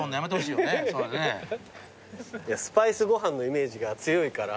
いやスパイスご飯のイメージが強いから。